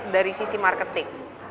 dari sisi marketing